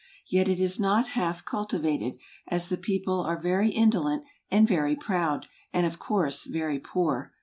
Yet it is not half cultivated; as the people are very indolent, and very proud, and of course very poor.